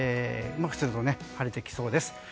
晴れてきそうです。